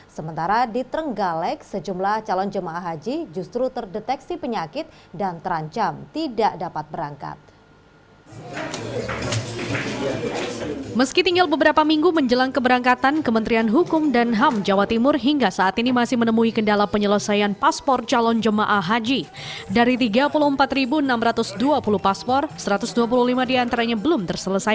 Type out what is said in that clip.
sementara di trenggalek sejumlah calon jamaah haji justru terdeteksi penyakit dan terancam tidak dapat berangkat